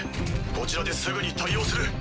こちらですぐに対応する。